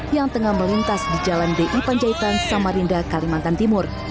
yang tengah melintas di jalan di panjaitan samarinda kalimantan timur